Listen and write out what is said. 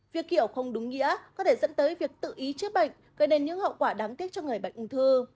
việc hiểu không đúng nghĩa có thể dẫn tới việc tự ý chữa bệnh gây nên những hậu quả đáng tiếc cho người bệnh ung thư